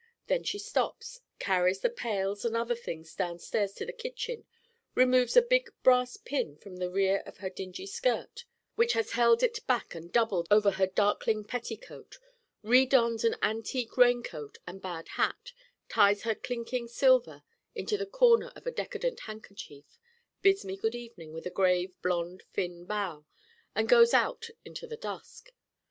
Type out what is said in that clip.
Then she stops, carries the pails and other things downstairs to the kitchen, removes a big brass pin from the rear of her dingy skirt which had held it back and doubled over her darkling petticoat, re dons an antique rain coat and bad hat, ties her clinking silver into the corner of a decadent handkerchief, bids me good evening with a grave blond Finn bow and goes out into the dusk.